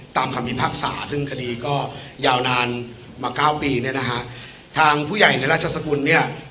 คำพิพากษาซึ่งคดีก็ยาวนานมาเก้าปีเนี่ยนะฮะทางผู้ใหญ่ในราชสกุลเนี่ย